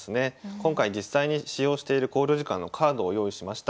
今回実際に使用している考慮時間のカードを用意しました。